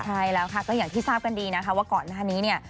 ใช่แล้วค่ะก็อย่างที่ทราบกันดีนะคะว่าก่อนหน้านี้เนี่ย